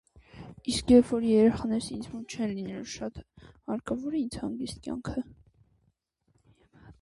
Իսկ երբ որ երեխաներս ինձ մոտ չեն լինելու, շատ հարկավո՞ր է ինձ հանգիստ կյանքը: